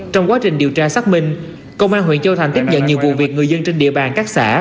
trong quá trình điều tra xác minh công an huyện châu thành tiếp nhận nhiều vụ việc người dân trên địa bàn các xã